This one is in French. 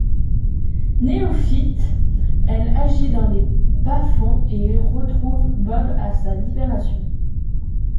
Néophyte, elle agit dans les bas-fonds et y retrouve Bob à sa libération.